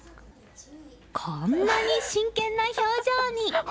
こんなに真剣な表情に。